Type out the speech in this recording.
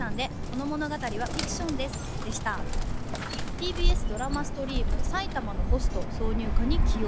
ＴＢＳドラマストリーム「埼玉のホスト」挿入歌に起用